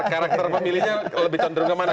karakter pemilihnya lebih tondong ke mana